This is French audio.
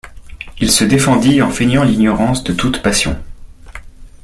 Il se défendit en feignant l'ignorance de toute passion.